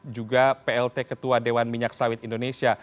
juga plt ketua dewan minyak sawit indonesia